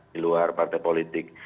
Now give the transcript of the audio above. di luar partai politik